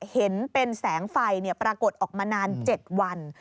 เห็นเป็นแสงไฟปรากฏออกมานาน๗วัน